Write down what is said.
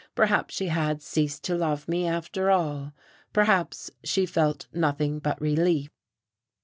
Perhaps she had ceased to love me, after all! Perhaps she felt nothing but relief.